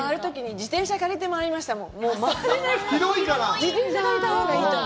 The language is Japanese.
自転車借りたほうがいいと思う。